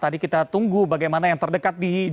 tadi kita tunggu bagaimana yang terdekat di